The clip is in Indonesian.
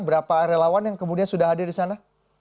berapa relawan yang kemudian sudah hadir di sana